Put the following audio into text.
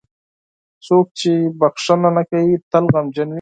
• څوک چې بښنه نه کوي، تل غمجن وي.